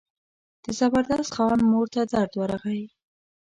د زبردست خان مور ته درد ورغی.